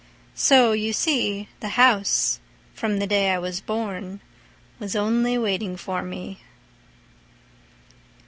So, you see, the house, from the day I was born, Was only waiting for me.